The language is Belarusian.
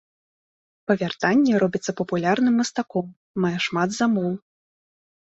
Па вяртанні робіцца папулярным мастаком, мае шмат замоў.